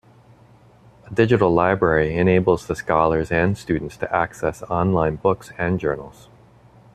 A digital library enables the scholars and students to access online books and journals.